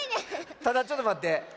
ただちょっとまって。